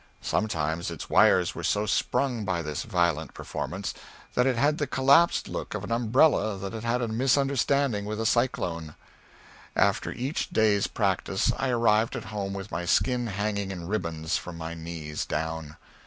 Sometimes its wires were so sprung by this violent performance that it had the collapsed look of an umbrella that had had a misunderstanding with a cyclone. After each day's practice I arrived at home with my skin hanging in ribbons, from my knees down.